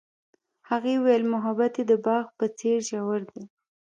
هغې وویل محبت یې د باغ په څېر ژور دی.